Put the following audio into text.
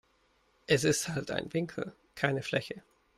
Es ist halt ein Winkel, keine Fläche.